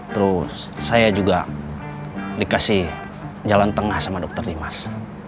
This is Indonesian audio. terus saya juga dikasih jalan tengah sama dokter dimas